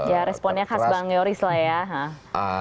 ya responnya khas bang yoris lah ya